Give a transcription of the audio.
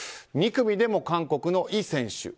２組でも韓国のイ選手。